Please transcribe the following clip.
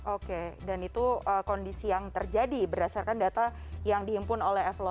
oke dan itu kondisi yang terjadi berdasarkan data yang diimpun oleh flo